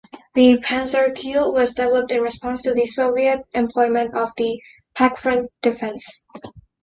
The "panzerkeil" was developed in response to the Soviet employment of the "pakfront" defence.